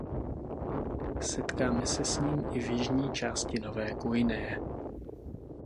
Setkáme se s ním i v jižní části Nové Guineje.